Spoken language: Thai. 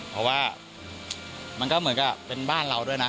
เพราะว่ามันก็เหมือนกับเป็นบ้านเราด้วยนะ